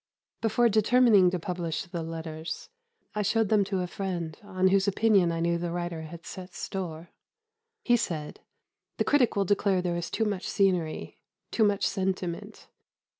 Before determining to publish the letters, I showed them to a friend on whose opinion I knew the writer had set store. He said, "The critic will declare there is too much scenery, too much sentiment.